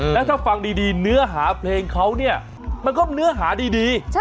แล้วถ้าฟังดีเนื้อหาเพลงเขาเนี่ยมันก็เนื้อหาดี